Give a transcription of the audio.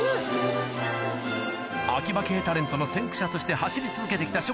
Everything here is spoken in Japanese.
アキバ系タレントの先駆者として走り続けて来たしょ